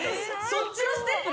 こっちのステップ。